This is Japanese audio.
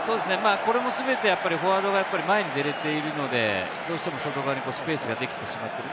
これも全てフォワードが出ているので、どうしても外側にスペースができてしまう。